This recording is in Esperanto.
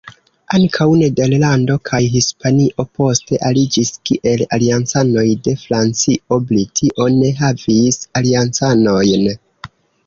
Ankaŭ Nederlando kaj Hispanio poste aliĝis kiel aliancanoj de Francio; Britio ne havis aliancanojn.